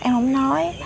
em không nói